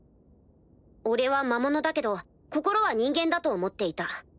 俺は魔物だけど心は人間だと思っていた。